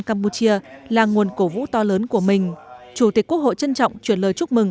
campuchia là nguồn cổ vũ to lớn của mình chủ tịch quốc hội trân trọng chuyển lời chúc mừng